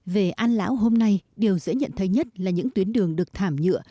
về an lão hôm nay điều dễ nhận thấy nhất là những tuyến đường được thay đổi